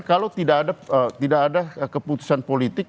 kalau tidak ada keputusan politik